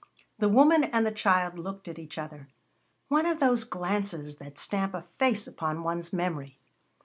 The woman and the child looked at each other one of those glances that stamp a face upon one's memory.